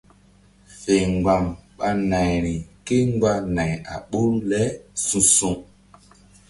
Fe mgba̧m ɓa nayri kémgba nay a ɓoruri le su̧su̧.